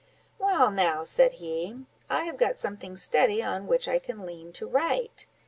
"Well now," said he, "I have got something steady on which I can lean to write.